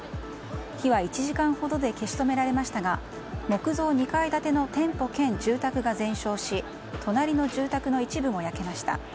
火は１時間ほどで消し止められましたが木造２階建ての店舗兼住宅が全焼し隣の住宅の一部も焼けました。